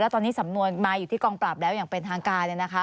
ตอนนี้สำนวนมาอยู่ที่กองปราบแล้วอย่างเป็นทางการ